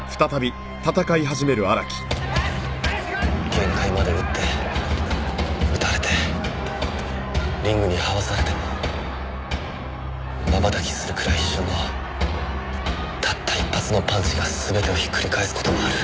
限界まで打って打たれてリングに這わされても瞬きするくらい一瞬のたった一発のパンチが全てをひっくり返す事もある。